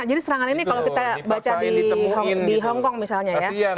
jadi serangan ini kalau kita baca di hongkong misalnya ya